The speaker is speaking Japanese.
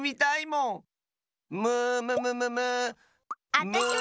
あたしも！